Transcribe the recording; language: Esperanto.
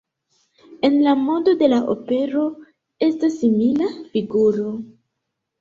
En la mondo de la opero esta simila figuro.